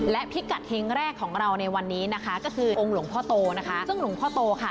และพิกัดเฮงแรกของเราในวันนี้นะคะก็คือหลวงพ่อโตนะคะ